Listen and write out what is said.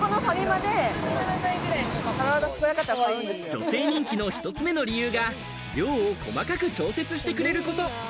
女性人気の１つ目の理由が、量を細かく調節してくれること。